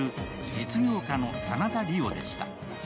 実業家の真田梨央でした。